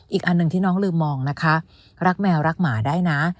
อีกอันหนึ่งที่น้องลืมมองนะคะรักแมวรักหมาได้นะ